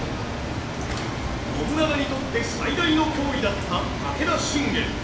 信長にとって最大の脅威だった武田信玄。